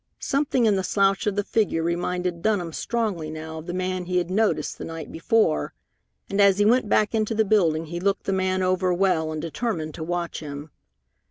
Something in the slouch of the figure reminded Dunham strongly now of the man he had noticed the night before, and as he went back into the building he looked the man over well and determined to watch him.